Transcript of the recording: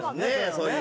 そういう。